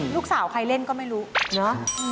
ลูกสาวใครเล่นก็ไม่รู้เนอะ